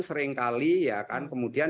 seringkali ya kan kemudian